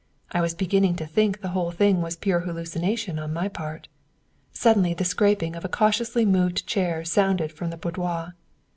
I was beginning to think the whole thing was pure hallucination on my part. Suddenly the scraping of a cautiously moved chair sounded from the boudoir.